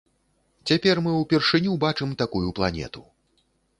Цяпер мы ўпершыню бачым такую планету.